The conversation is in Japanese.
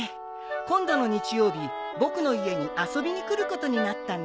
今度の日曜日僕の家に遊びに来ることになったんだ。